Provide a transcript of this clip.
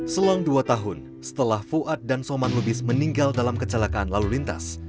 selang dua tahun setelah fuad dan soman lubis meninggal dalam kecelakaan lalu lintas